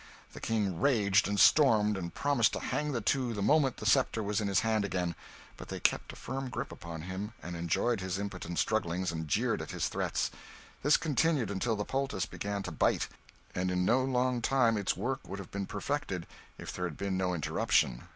The King raged and stormed, and promised to hang the two the moment the sceptre was in his hand again; but they kept a firm grip upon him and enjoyed his impotent struggling and jeered at his threats. This continued until the poultice began to bite; and in no long time its work would have been perfected, if there had been no interruption.